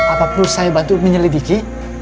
apapun saya bantu menyelidiki